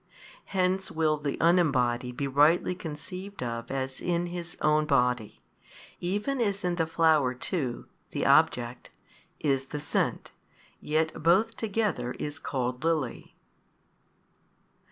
Hence will the Unembodied be rightly conceived of as in His own Body, even as in the flower too, the object, is the scent, yet both together is called lily.